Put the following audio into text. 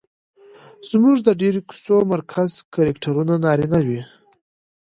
زموږ د ډېرو کيسو مرکزي کرکټرونه نارينه وي